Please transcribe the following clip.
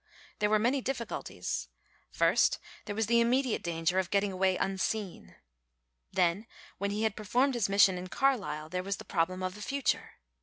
There were many difficulties. First there was the immediate danger of getting away unseen. Then when he had performed his mission in Carlisle there was the problem of the future.